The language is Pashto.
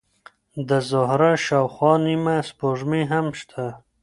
د زهره شاوخوا نیمه سپوږمۍ هم شته.